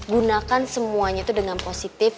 gunakan semuanya itu dengan positif